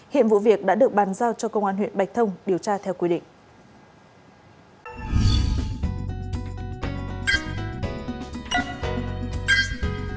hiện vụ việc đã được bàn giao cho công an huyện bạch thông điều tra theo quy định